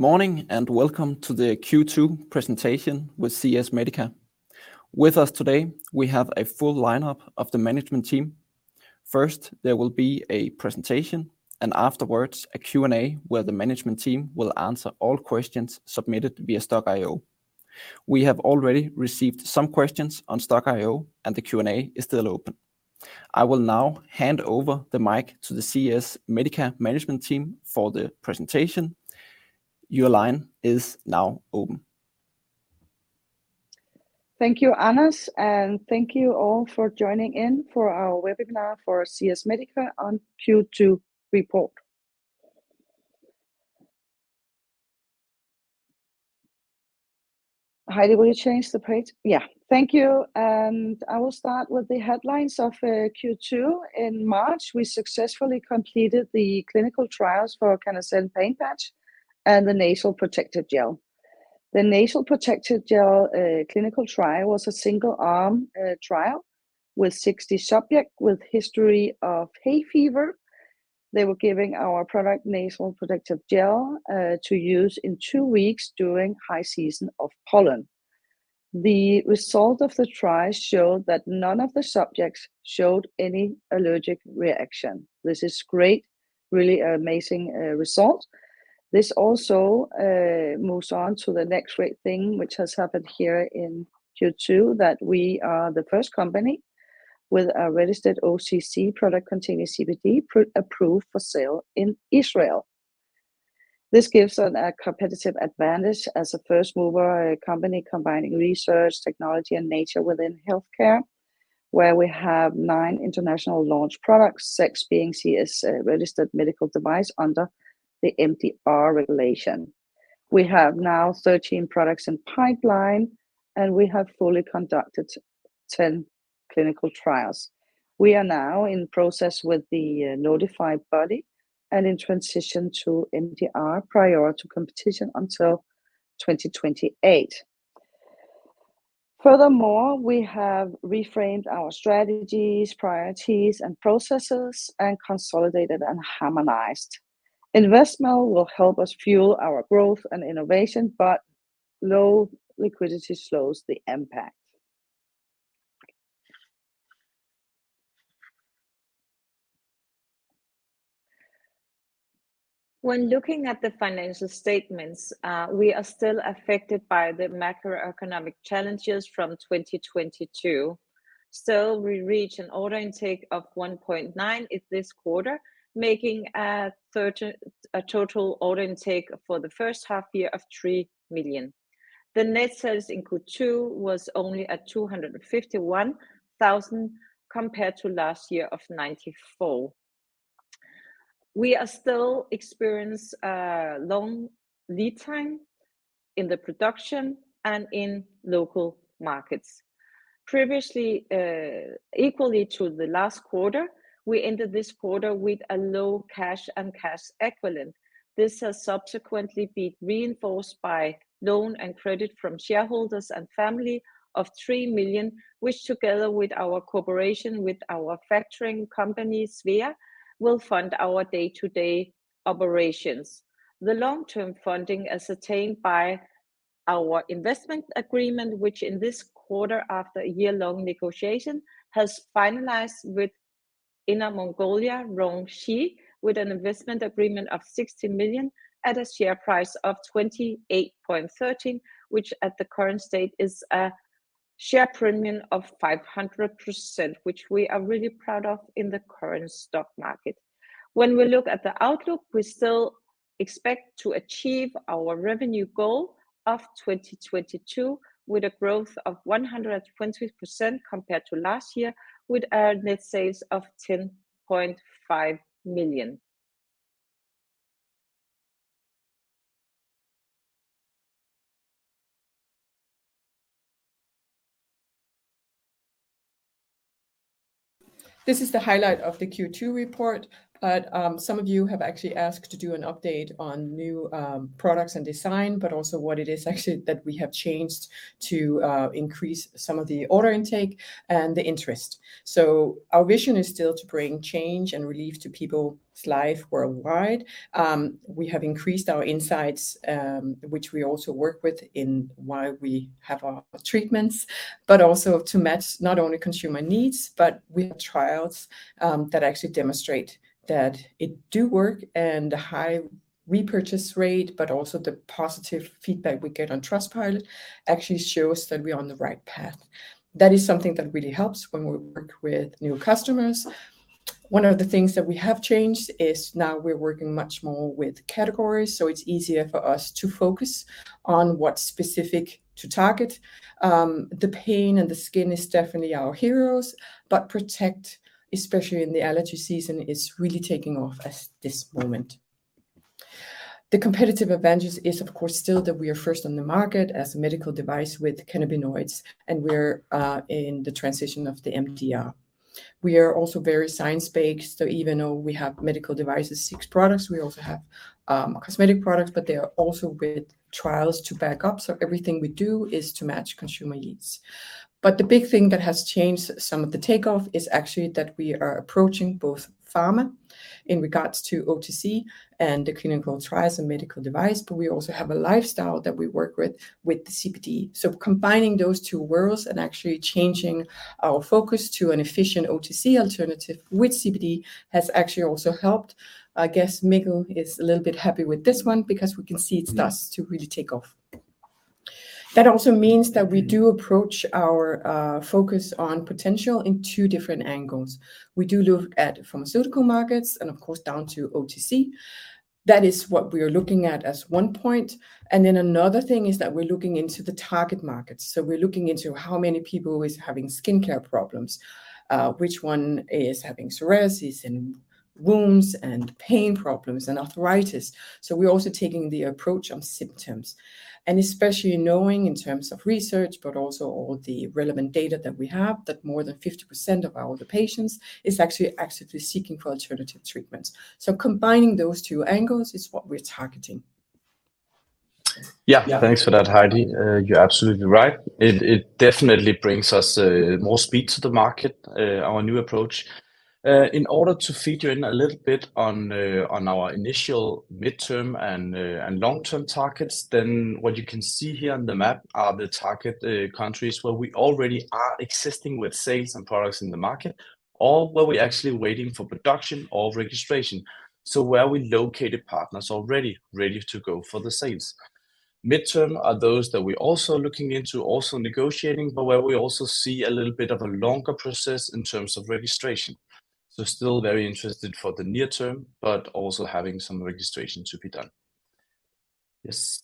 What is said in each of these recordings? Good morning, and welcome to the Q2 presentation with CS MEDICA. With us today, we have a full lineup of the management team. First, there will be a presentation, and afterwards, a Q&A where the management team will answer all questions submitted via Stock-IO. We have already received some questions on Stock-IO, and the Q&A is still open. I will now hand over the mic to the CS MEDICA management team for the presentation. Your line is now open. Thank you, Anders, thank you all for joining in for our webinar for CS MEDICA on Q2 report. Heidi, will you change the page? Yeah. Thank you. I will start with the headlines of Q2. In March, we successfully completed the clinical trials for CANNASEN® Pain Patch and the Protective Nasal gel. The Protective Nasal gel clinical trial was a single arm trial with 60 subject with history of hay fever. They were giving our product, Protective Nasal gel, to use in two weeks during high season of pollen. The result of the trial showed that none of the subjects showed any allergic reaction. This is great, really amazing result. This also moves on to the next great thing which has happened here in Q2, that we are the first company with a registered OTC product containing CBD approved for sale in Israel. This gives us a competitive advantage as a first-mover, a company combining research, technology, and nature within healthcare, where we have nine international launch products, six being CS registered medical device under the MDR regulation. We have now 13 products in pipeline, and we have fully conducted 10 clinical trials. We are now in process with the notified body and in transition to MDR prior to competition until 2028. We have reframed our strategies, priorities, and processes and consolidated and harmonized. Investment will help us fuel our growth and innovation, but low liquidity slows the impact. When looking at the financial statements, we are still affected by the macroeconomic challenges from 2022. Still, we reach an order intake of 1.9 in this quarter, making a total order intake for the first half year of 3 million. The net sales in Q2 was only at 251,000 compared to last year of 94,000. We are still experience long lead time in the production and in local markets. Previously, equally to the last quarter, we ended this quarter with a low cash and cash equivalent. This has subsequently been reinforced by loan and credit from shareholders and family of 3 million, which together with our cooperation with our factoring company, Svea, will fund our day-to-day operations. The long-term funding is attained by our investment agreement, which in this quarter, after a year-long negotiation, has finalized with Inner Mongolia RongShi, with an investment agreement of 60 million at a share price of 28.13, which at the current state is a share premium of 500%, which we are really proud of in the current stock market. When we look at the outlook, we still expect to achieve our revenue goal of 2022 with a growth of 120% compared to last year with a net sales of 10.5 million. This is the highlight of the Q2 report. Some of you have actually asked to do an update on new products and design, but also what it is actually that we have changed to increase some of the order intake and the interest. Our vision is still to bring change and relief to people's life worldwide. We have increased our insights, which we also work with in why we have our treatments, but also to match not only consumer needs, but with trials that actually demonstrate that it do work and the high repurchase rate, but also the positive feedback we get on Trustpilot actually shows that we're on the right path. That is something that really helps when we work with new customers. One of the things that we have changed is now we're working much more with categories, so it's easier for us to focus on what's specific to target. The pain and the skin is definitely our heroes, but Protect, especially in the allergy season, is really taking off as this moment. The competitive advantage is, of course, still that we are first on the market as a medical device with cannabinoids, and we're in the transition of the MDR. We are also very science-based, so even though we have medical devices, six products, we also have cosmetic products, but they are also with trials to back up. Everything we do is to match consumer needs. The big thing that has changed some of the takeoff is actually that we are approaching both pharma in regards to OTC and the clinical trials and medical device, but we also have a lifestyle that we work with with the CBD. Combining those two worlds and actually changing our focus to an efficient OTC alternative with CBD has actually also helped. I guess Mikkel is a little bit happy with this one because we can see it starts to really take off. That also means that we do approach our focus on potential in two different angles. We do look at pharmaceutical markets and of course down to OTC. That is what we are looking at as one point, and then another thing is that we're looking into the target markets. We're looking into how many people is having skincare problems, which one is having psoriasis and wounds and pain problems and arthritis. We're also taking the approach on symptoms, and especially knowing in terms of research but also all the relevant data that we have, that more than 50% of all the patients is actually actively seeking for alternative treatments. Combining those two angles is what we're targeting. Yeah. Thanks for that, Heidi. You're absolutely right. It, it definitely brings us more speed to the market, our new approach. In order to feature in a little bit on our initial midterm and long-term targets, what you can see here on the map are the target countries where we already are existing with sales and products in the market or where we're actually waiting for production or registration. Where we located partners already ready to go for the sales. Midterm are those that we're also looking into, also negotiating, but where we also see a little bit of a longer process in terms of registration. Still very interested for the near term, but also having some registration to be done. Yes.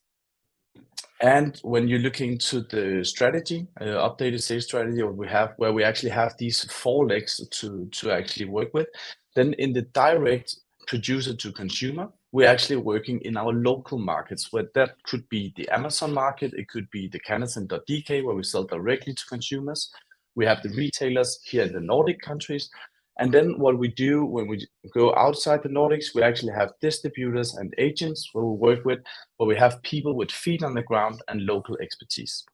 When you're looking to the strategy, updated sales strategy where we actually have these four legs to actually work with, then in the direct producer to consumer, we're actually working in our local markets, whether that could be the Amazon market, it could be the CANNASEN.dk where we sell directly to consumers. We have the retailers here in the Nordic countries. Then what we do when we go outside the Nordics, we actually have distributors and agents who we work with, where we have people with feet on the ground and local expertise.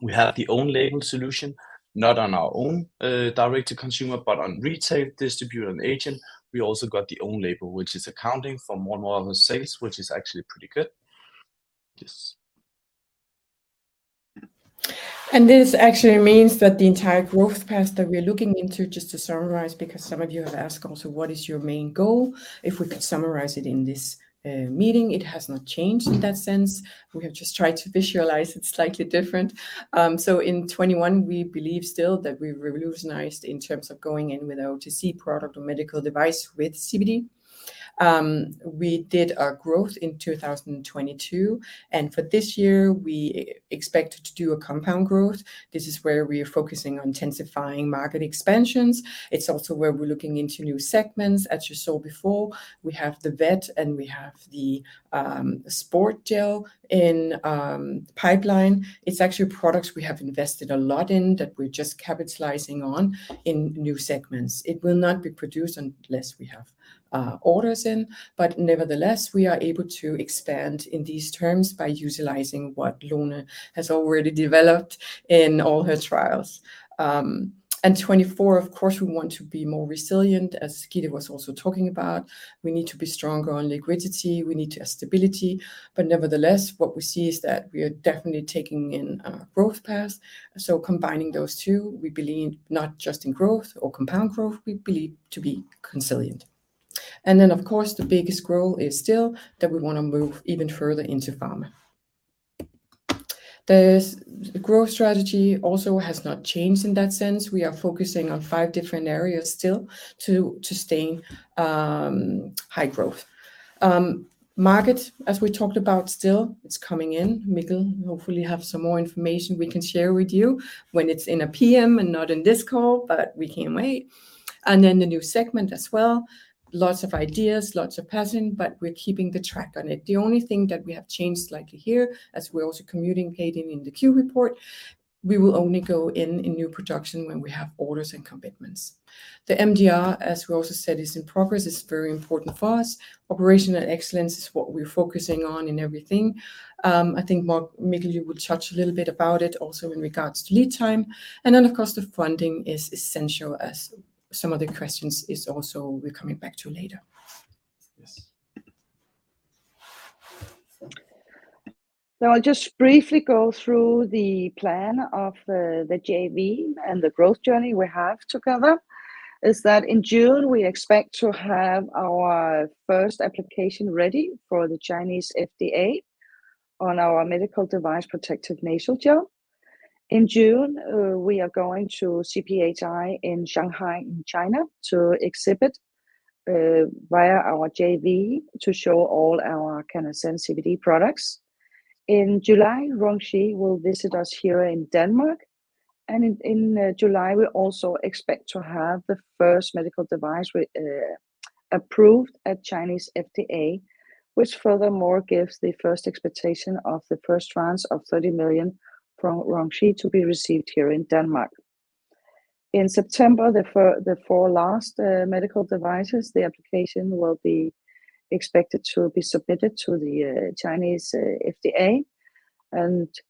We have the own-label solution, not on our own, direct to consumer, but on retail distributor and agent. We also got the own-label, which is accounting for more and more of the sales, which is actually pretty good. Yes. This actually means that the entire growth path that we're looking into, just to summarize, because some of you have asked also what is your main goal, if we could summarize it in this meeting, it has not changed in that sense. We have just tried to visualize it slightly different. In 2021 we believe still that we revolutionized in terms of going in with OTC product or medical device with CBD. We did our growth in 2022, and for this year we expect to do a compound growth. This is where we are focusing on intensifying market expansions. It's also where we're looking into new segments. As you saw before, we have the vet and we have the Sport gel in pipeline. It's actually products we have invested a lot in that we're just capitalizing on in new segments. It will not be produced unless we have orders in, but nevertheless, we are able to expand in these terms by utilizing what Lone has already developed in all her trials. 2024, of course, we want to be more resilient, as Gitte was also talking about. We need to be stronger on liquidity. We need to have stability. Nevertheless, what we see is that we are definitely taking in a growth path. Combining those two, we believe not just in growth or compound growth, we believe to be resilient. Of course the biggest goal is still that we wanna move even further into pharma. The growth strategy also has not changed in that sense. We are focusing on five different areas still to staying high growth. Market, as we talked about still, it's coming in. Mikkel hopefully have some more information we can share with you when it's in a PM and not in this call, but we can't wait. The new segment as well. Lots of ideas, lots of passion, but we're keeping the track on it. The only thing that we have changed slightly here, as we're also communicating in the Q report, we will only go in in new production when we have orders and commitments. The MDR, as we also said, is in progress. It's very important for us. Operational excellence is what we're focusing on in everything. I think Mikkel, you will touch a little bit about it also in regards to lead time. Of course the funding is essential as some of the questions is also we're coming back to later. Yes. I'll just briefly go through the plan of the JV and the growth journey we have together, is that in June we expect to have our first application ready for the Chinese FDA on our medical device Protective Nasal gel. In June, we are going to CPHI in Shanghai in China to exhibit via our JV to show all our CANNASEN CBD products. In July, RongShi will visit us here in Denmark, in July we also expect to have the first medical device we approved at Chinese FDA, which furthermore gives the first expectation of the first tranche of 30 million from RongShi to be received here in Denmark. In September, the four last medical devices, the application will be Expected to be submitted to the Chinese FDA.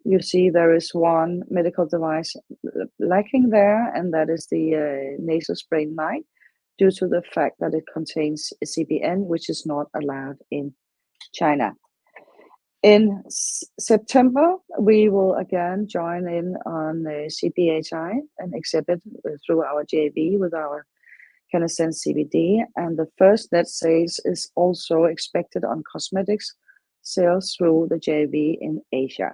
You see there is one medical device lacking there, and that is the Nasal Night Spray due to the fact that it contains a CBN which is not allowed in China. In September, we will again join in on the CPHI and exhibit through our JV with our CANNASEN CBD, and the first net sales is also expected on cosmetics sales through the JV in Asia.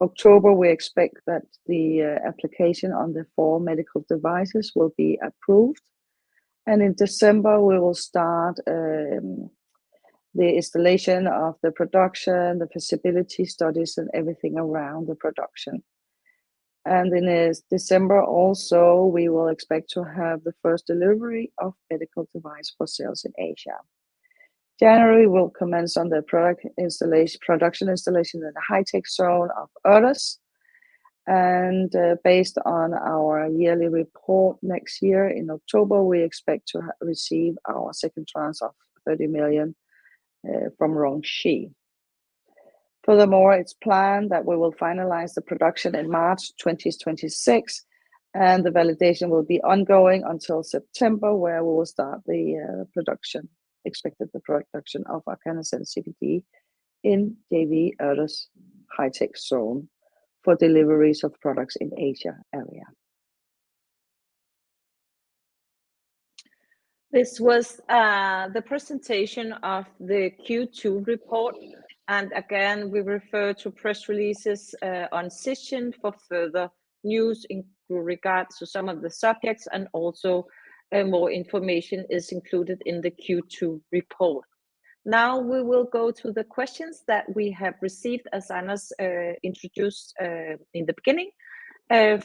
October, we expect that the application on the four medical devices will be approved, and in December we will start the installation of the production, the feasibility studies and everything around the production. In December also, we will expect to have the first delivery of medical device for sales in Asia. January, we'll commence on the production installation in the high-tech zone of Aarhus. Based on our yearly report next year in October, we expect to receive our second trance of 30 million from RongShi. Furthermore, it's planned that we will finalize the production in March 2026, and the validation will be ongoing until September, where we will start the production, expected the production of our CANNASEN CBD in JV Aarhus high-tech zone for deliveries of products in Asia area. This was the presentation of the Q2 report. Again, we refer to press releases on session for further news in regards to some of the subjects and also, more information is included in the Q2 report. Now we will go to the questions that we have received as Anders introduced in the beginning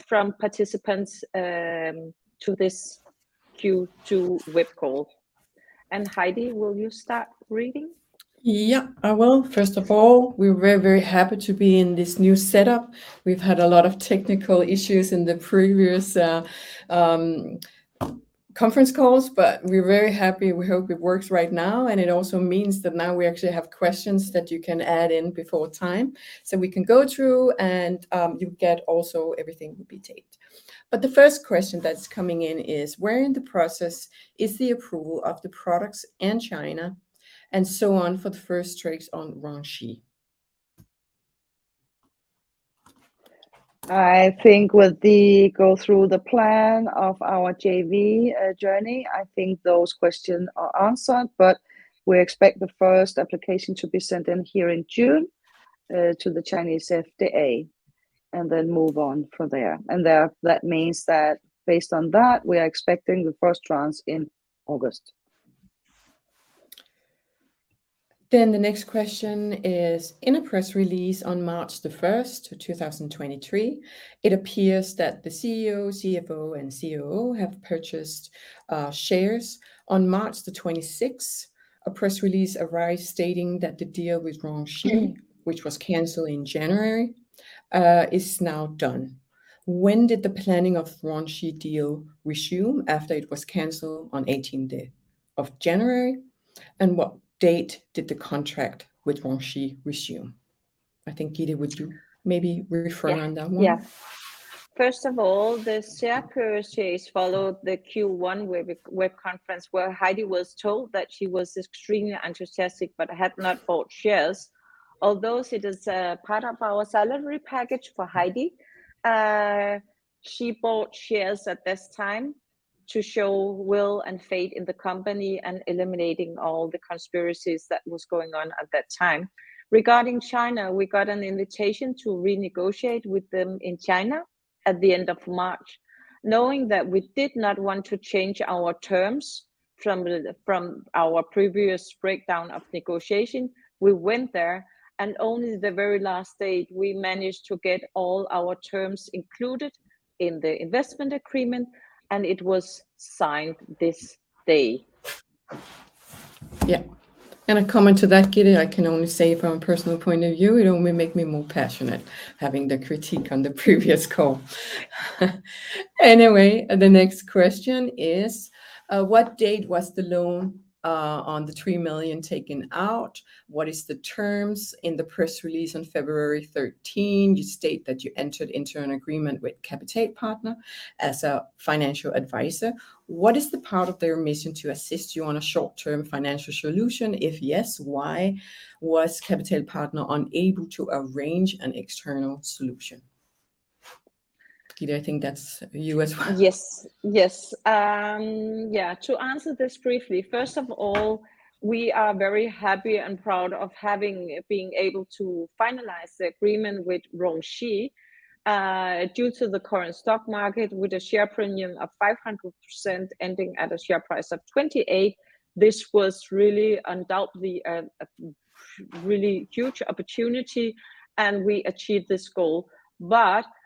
from participants to this Q2 web call. Heidi, will you start reading? I will. First of all, we're very, very happy to be in this new setup. We've had a lot of technical issues in the previous conference calls, but we're very happy. We hope it works right now, it also means that now we actually have questions that you can add in before time. We can go through and you get also everything will be taped. The first question that's coming in is, where in the process is the approval of the products in China and so on for the first trades on RongShi? I think with the go through the plan of our JV, journey, I think those question are answered, but we expect the first application to be sent in here in June, to the Chinese FDA and then move on from there. There, that means that based on that, we are expecting the first trance in August. The next question is, in a press release on March 1st of 2023, it appears that the CEO, CFO and COO have purchased shares. On March 26th, a press release arose stating that the deal with RongShi, which was canceled in January, is now done. When did the planning of RongShi deal resume after it was canceled on 18 day of January? What date did the contract with RongShi resume? I think, Gitte, would you maybe refer on that one? Yeah. Yeah. First of all, the share purchase followed the Q1 web conference where Heidi was told that she was extremely enthusiastic but had not bought shares. Although it is part of our salary package for Heidi, she bought shares at this time to show will and faith in the company and eliminating all the conspiracies that was going on at that time. Regarding China, we got an invitation to renegotiate with them in China at the end of March. Knowing that we did not want to change our terms from our previous breakdown of negotiation, we went there and only the very last day we managed to get all our terms included in the investment agreement, and it was signed this day. Yeah. A comment to that, Gitte, I can only say from a personal point of view, it only make me more passionate having the critique on the previous call. Anyway, the next question is, what date was the loan on the 3 million taken out? What is the terms? In the press release on February 13, you state that you entered into an agreement with Kapital Partner as a financial advisor. What is the part of their mission to assist you on a short-term financial solution? If yes, why was Kapital Partner unable to arrange an external solution? Gitte, I think that's you as well. Yes. Yes. Yeah. To answer this briefly, first of all, we are very happy and proud of having being able to finalize the agreement with RongShi, due to the current stock market with a share premium of 500% ending at a share price of 28. This was really undoubtedly a really huge opportunity. We achieved this goal.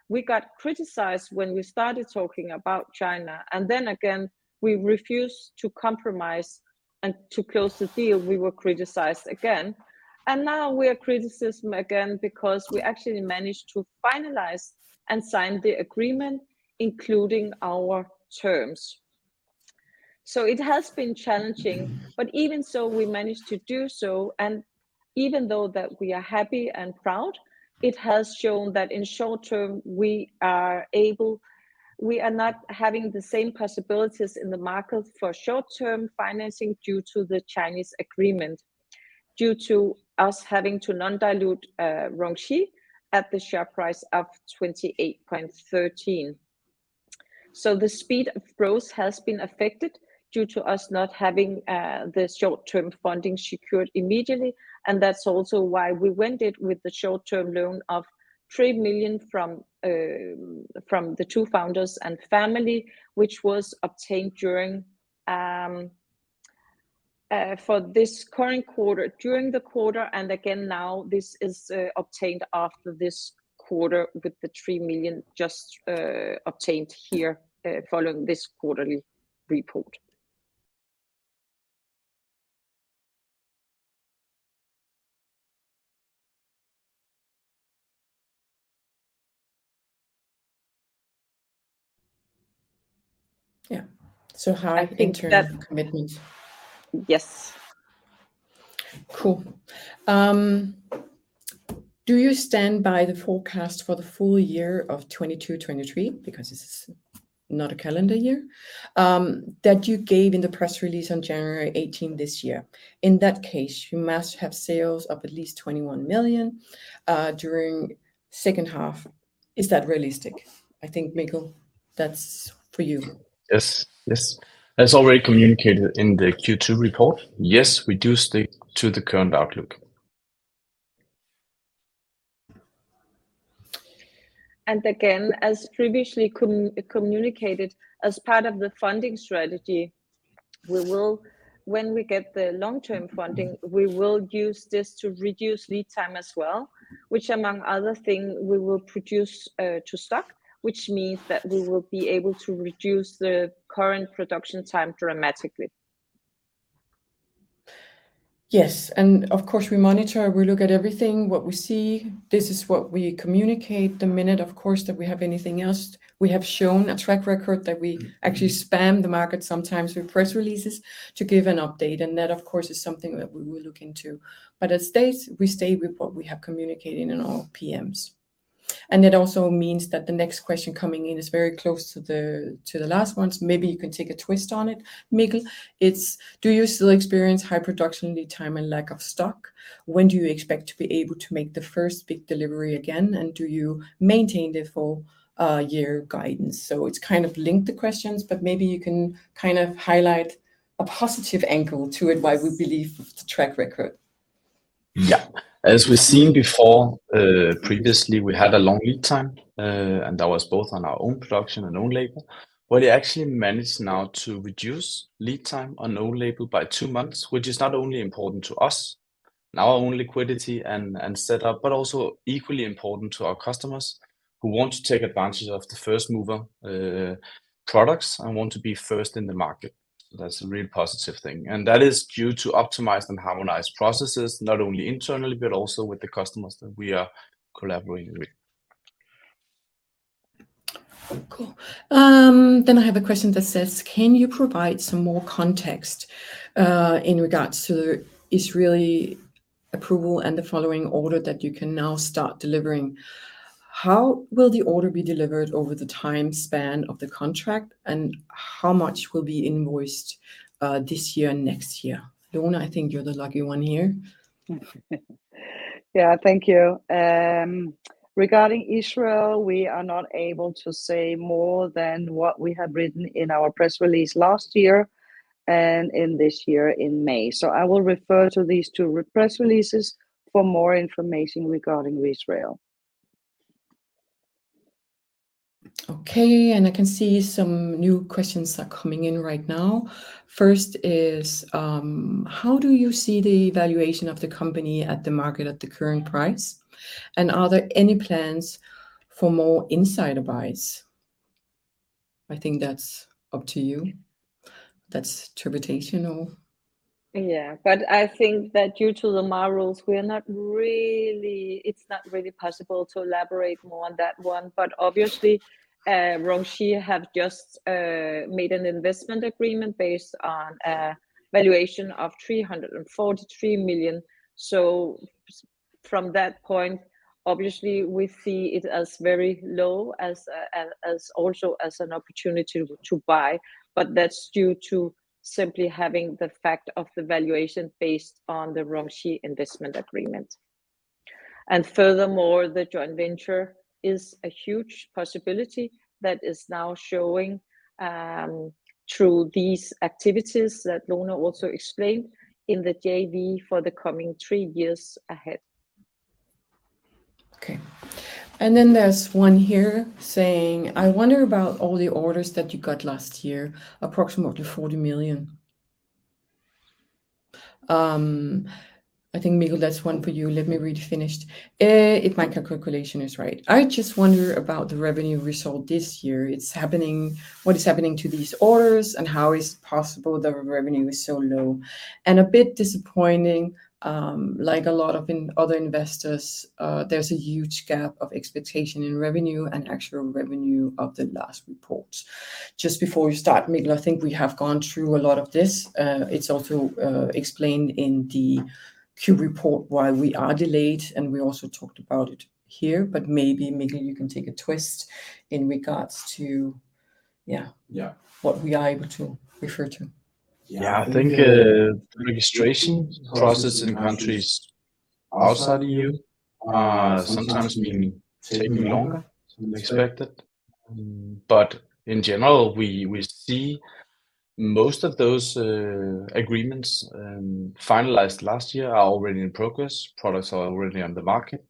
We got criticized when we started talking about China. Again, we refused to compromise and to close the deal, we were criticized again. Now we are criticism again because we actually managed to finalize and sign the agreement, including our terms. It has been challenging, but even so, we managed to do so. Even though that we are happy and proud, it has shown that in short term we are able... We are not having the same possibilities in the market for short-term financing due to the Chinese agreement, due to us having to non-dilute RongShi at the share price of 28.13. The speed of growth has been affected due to us not having the short-term funding secured immediately, and that's also why we went it with the short-term loan of 3 million from the two founders and family, which was obtained during for this current quarter, during the quarter and again now. This is obtained after this quarter with the 3 million just obtained here following this quarterly report. Yeah. I think that- Internal commitment. Yes. Cool. Do you stand by the forecast for the full year of 2022, 2023, because this is not a calendar year, that you gave in the press release on January 18 this year? In that case, you must have sales of at least 21 million during second half. Is that realistic? I think, Mikkel, that's for you. Yes. Yes. As already communicated in the Q2 report, yes, we do stick to the current outlook. Again, as previously communicated, as part of the funding strategy, we will. When we get the long-term funding, we will use this to reduce lead time as well, which among other thing, we will produce to stock, which means that we will be able to reduce the current production time dramatically. Yes. Of course we monitor, we look at everything, what we see. This is what we communicate. The minute, of course, that we have anything else, we have shown a track record that we actually spam the market sometimes with press releases to give an update, and that of course is something that we will look into. But as stated, we stay with what we have communicated in all PMs. It also means that the next question coming in is very close to the, to the last ones. Maybe you can take a twist on it, Mikkel. It's, do you still experience high production lead time and lack of stock? When do you expect to be able to make the first big delivery again, and do you maintain the full year guidance? It's kind of linked questions, but maybe you can kind of highlight a positive angle to it, why we believe the track record. Yeah. As we've seen before, previously we had a long lead time, and that was both on our own production and own label. We actually managed now to reduce lead time on own label by two months, which is not only important to us and our own liquidity and setup, but also equally important to our customers who want to take advantage of the first mover products and want to be first in the market. That's a real positive thing. That is due to optimized and harmonized processes, not only internally, but also with the customers that we are collaborating with. Cool. I have a question that says, can you provide some more context in regards to the Israeli approval and the following order that you can now start delivering? How will the order be delivered over the time span of the contract, and how much will be invoiced this year and next year? Lone, I think you're the lucky one here. Yeah. Thank you. Regarding Israel, we are not able to say more than what we have written in our press release last year and in this year in May. I will refer to these two press releases for more information regarding Israel. Okay. I can see some new questions are coming in right now. First is, how do you see the valuation of the company at the market at the current price, and are there any plans for more insider buys? I think that's up to you. That's interpretational. I think that due to the MAR rules, we are not really it's not really possible to elaborate more on that one. Obviously, RongShi have just made an investment agreement based on a valuation of 343 million. From that point, obviously we see it as very low, as an opportunity to buy, but that's due to simply having the fact of the valuation based on the RongShi investment agreement. Furthermore, the joint venture is a huge possibility that is now showing through these activities that Lone also explained in the JV for the coming three years ahead. Okay. Then there's one here saying, I wonder about all the orders that you got last year, approximately 40 million. I think, Mikkel, that's one for you. Let me read finished. If my calculation is right. I just wonder about the revenue result this year. What is happening to these orders, and how is possible the revenue is so low and a bit disappointing, like a lot of in other investors, there's a huge gap of expectation in revenue and actual revenue of the last report. Just before you start, Mikkel, I think we have gone through a lot of this. It's also explained in the Q report why we are delayed, and we also talked about it here. Maybe, Mikkel, you can take a twist in regards to- Yeah. Yeah. What we are able to refer to. Yeah, I think, registration process in countries outside EU are sometimes may taking longer than expected. In general, we see most of those agreements finalized last year are already in progress. Products are already on the market.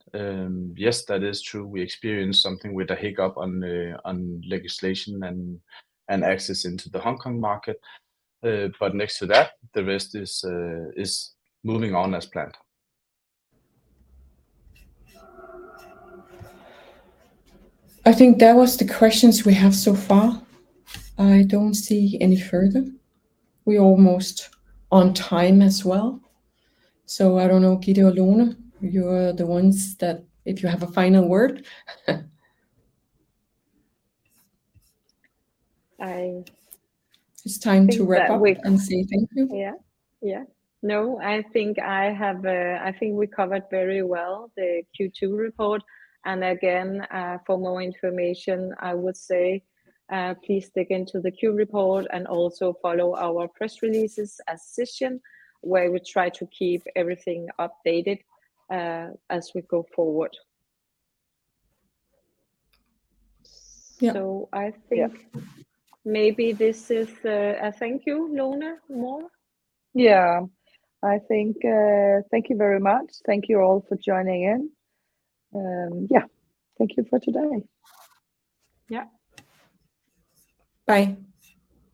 Yes, that is true. We experienced something with a hiccup on the legislation and access into the Hong Kong market. Next to that, the rest is moving on as planned. I think that was the questions we have so far. I don't see any further. We almost on time as well. I don't know, Gitte or Lone, you are the ones that if you have a final word. I- It's time to wrap up. I think that. And say thank you. Yeah. Yeah. I think I have... I think we covered very well the Q2 report. Again, for more information, I would say, please dig into the Q report and also follow our press releases as Zisha, where we try to keep everything updated, as we go forward. Yeah. So I think- Yeah Maybe this is, a thank you, Lone, more. I think, thank you very much. Thank you all for joining in. Thank you for today. Yeah. Bye.